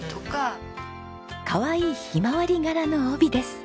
かわいいヒマワリ柄の帯です。